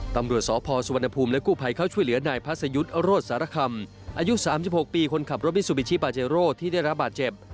ตำรวจสพสุวรรณภูมิและกู้ภัยเข้าช่วยเหลือนายพัศยุทธ์โรธสารคำอายุ๓๖ปีคนขับรถมิซูบิชิปาเจโร่ที่ได้รับบาดเจ็บ